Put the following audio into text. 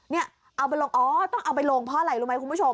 นี่เอาไปลงอ๋อต้องเอาไปลงเพราะอะไรรู้ไหมคุณผู้ชม